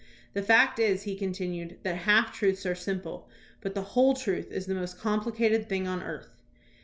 "The fact is," he continued, "that half truths are simple, but the whole truth is the most complicated thing on earth."